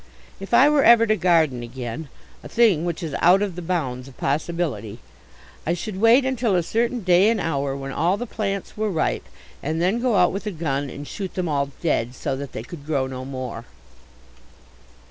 If I were ever to garden again, a thing which is out of the bounds of possibility, I should wait until a certain day and hour when all the plants were ripe, and then go out with a gun and shoot them all dead, so that they could grow no more.